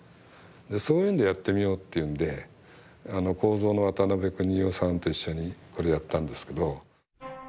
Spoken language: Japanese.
そういうんでやってみようっていうんで構造の渡辺邦夫さんと一緒にこれやったんですけど。